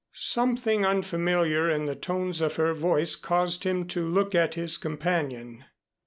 Something unfamiliar in the tones of her voice caused him to look at his companion.